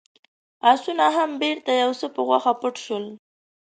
آسونه هم بېرته يو څه په غوښه پټ شول.